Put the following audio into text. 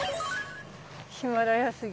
ヒマラヤスギ。